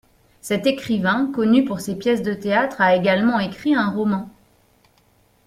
Cet écrivain, connu pour ses pièces de théâtre, a également écrit un roman.